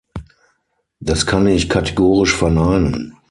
Das kann ich kategorisch verneinen.